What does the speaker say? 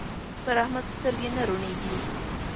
پر احمد سترګې نه روڼېږي.